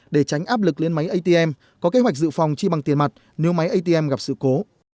để tránh áp lực lên máy atm có kế hoạch dự phòng chi bằng tiền mặt nếu máy atm gặp sự cố